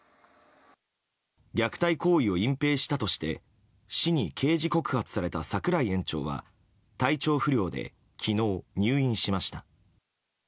虐待行為を隠蔽したとして市に刑事告発された櫻井園長は体調不良で昨日入院しました。